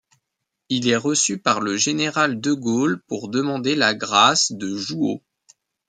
Il est reçu par le général de Gaulle pour demander la grâce de Jouhaud.